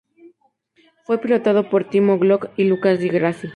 Fue pilotado por Timo Glock y Lucas di Grassi.